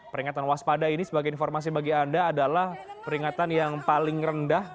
peringatan waspada ini sebagai informasi bagi anda adalah peringatan yang paling rendah